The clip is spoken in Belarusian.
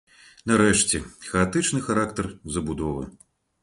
Нарэшце, хаатычны характар забудовы.